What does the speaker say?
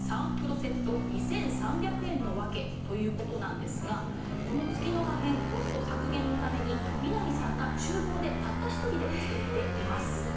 ３袋セット２３００円の訳ということなんですがこの月乃破片コスト削減のために美浪さんが厨房でたった１人で作っています。